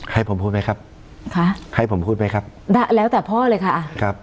ให้ผมพูดไหมครับให้ผมพูดไหมครับแต่พ่อเลยค่ะครับ